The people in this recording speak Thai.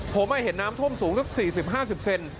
ผมเห็นน้ำท่วมสูงสัก๔๐๕๐เซน